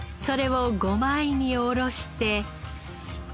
それを五枚におろして。